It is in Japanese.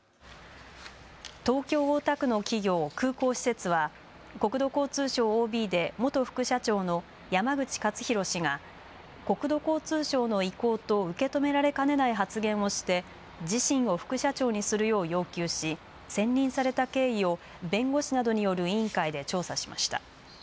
東京大田区の企業、空港施設は国土交通省ＯＢで元副社長の山口勝弘氏が国土交通省の意向と受け止められかねない発言をして自身を副社長にするよう要求し選任された経緯を弁護士などによる委員会で調査しました。